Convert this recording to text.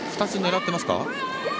２つ狙っていますか？